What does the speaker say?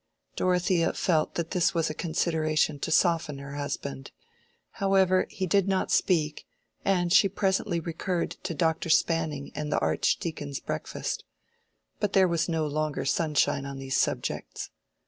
Dorothea felt that this was a consideration to soften her husband. However, he did not speak, and she presently recurred to Dr. Spanning and the Archdeacon's breakfast. But there was no longer sunshine on these subjects.